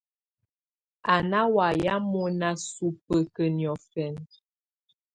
Á ná wayɛ̀á mɔ̀na subǝ́kǝ́ niɔ̀fɛnɛ.